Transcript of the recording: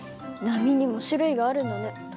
波にも種類があるんだね。